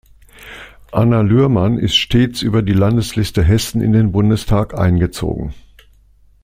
Anna Lührmann ist stets über die Landesliste Hessen in den Bundestag eingezogen.